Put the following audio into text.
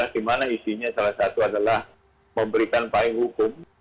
dimana isinya salah satu adalah memberikan pahing hukum